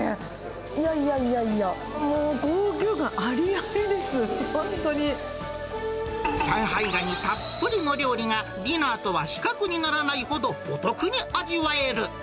いやいやいやいや、上海ガニたっぷりの料理が、ディナーとは比較にならないほど、お得に味わえる。